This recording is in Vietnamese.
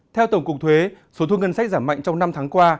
theo tổng cục thuế số thu ngân sách giảm mạnh trong năm tháng qua